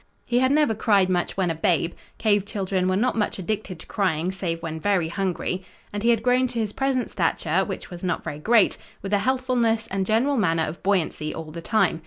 He had never cried much when a babe cave children were not much addicted to crying, save when very hungry and he had grown to his present stature, which was not very great, with a healthfulness and general manner of buoyancy all the time.